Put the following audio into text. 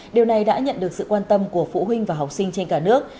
điều này đã nhận được sự quan tâm của phụ huynh và học sinh trên cả nước